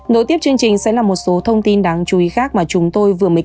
nối tiếp chương trình sẽ là một số thông tin đáng chú ý khác mà chúng tôi vừa mới